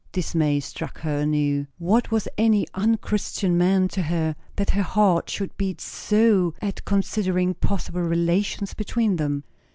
Dismay struck her anew. What was any un Christian man to her, that her heart should beat so at considering possible relations between them?